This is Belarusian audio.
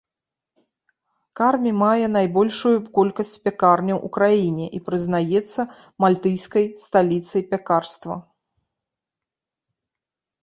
Кармі мае найбольшую колькасць пякарняў ў краіне і прызнаецца мальтыйскай сталіцай пякарства.